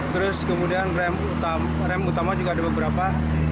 terus kemudian rem utama juga ada beberapa